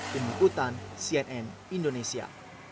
demikutan cnn indonesia